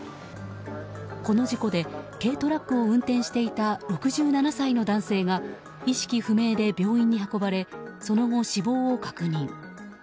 この事故で、軽トラックを運転していた６７歳の男性が意識不明で病院に運ばれその後、死亡を確認。